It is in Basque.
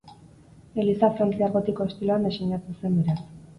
Eliza frantziar gotiko estiloan diseinatu zen beraz.